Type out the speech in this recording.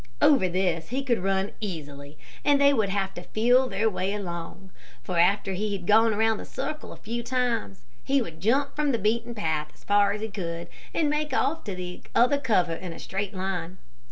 Over this he could run easily, and they would have to feel their way along, for after he had gone around the circle a few times, he would jump from the beaten path as far as he could, and make off to other cover in a straight line.